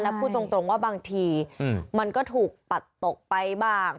พูดตรงว่าบางทีมันก็ถูกปัดตกไปบ้าง